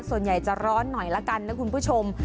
ส่วนใหญ่จะร้อนหน่อยละกันนะคุณผู้ชม